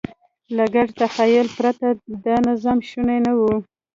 له ګډ تخیل پرته دا نظم شونی نه و.